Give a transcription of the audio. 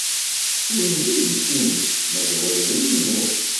Win d idis-nnek, ma d wa d win-inu.